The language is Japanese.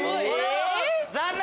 残念！